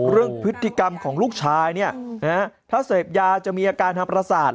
เรื่องพฤติกรรมของลูกชายถ้าเสพยาจะมีอาการทางประสาท